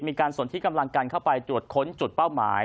สนที่กำลังการเข้าไปตรวจค้นจุดเป้าหมาย